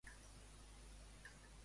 Esquerra Republicana hi està d'acord?